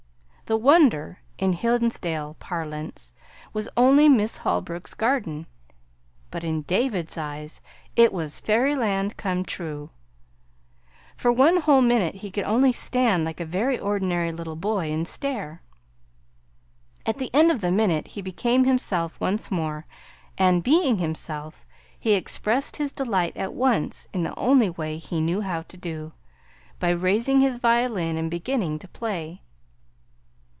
The Wonder, in Hinsdale parlance, was only Miss Holbrook's garden, but in David's eyes it was fairyland come true. For one whole minute he could only stand like a very ordinary little boy and stare. At the end of the minute he became himself once more; and being himself, he expressed his delight at once in the only way he knew how to do by raising his violin and beginning to play.